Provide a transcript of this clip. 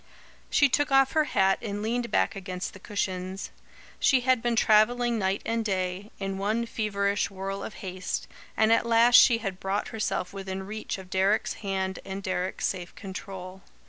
She took off her hat and leaned back against the cushions. She had been travelling night and day, in one feverish whirl of haste, and at last she had brought herself within reach of Deryck's hand and Deryck's safe control.